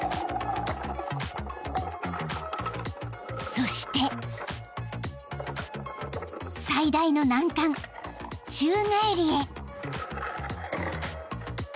［そして最大の難関宙返りへ］